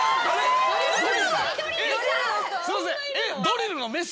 すいませんえっ。